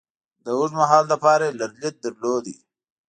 د اوږد مهال لپاره یې لرلید درلود.